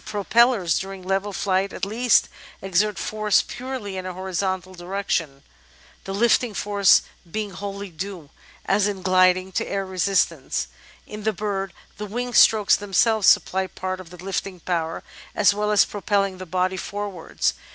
There is, indeed, a further difference in that the aeroplane's propellers, during level flight at least, exert force purely in a horizontal direction, the lifting force being wholly due, as in gliding, to air resistance. In the bird the wing strokes themselves supply part of the lifting power, as well as propelling the body forwards.